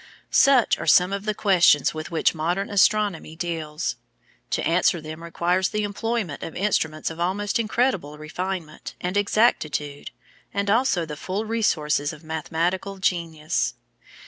Such are some of the questions with which modern astronomy deals. To answer them requires the employment of instruments of almost incredible refinement and exactitude and also the full resources of mathematical genius.